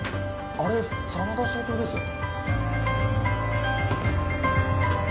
あれ真田社長ですよね？